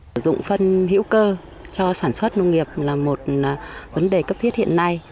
sử dụng phân hữu cơ cho sản xuất nông nghiệp là một vấn đề cấp thiết hiện nay